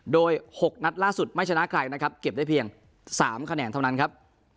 โดย๖นัดล่าสุดไม่ชนะใครนะครับเก็บได้เพียง๓คะแนนเท่านั้นครับ